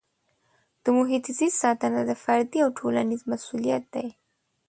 د محیط زیست ساتنه د فردي او ټولنیز مسؤلیت دی.